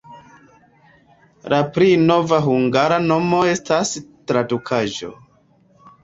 La pli nova hungara nomo estas tradukaĵo.